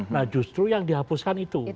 nah justru yang dihapuskan itu